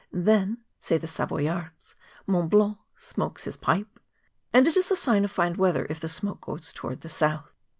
' Then,' say the Savoyards, ' Mont Blanc smokes his pipe.' And it is a sign of fine weather if the smoke goes towards the south.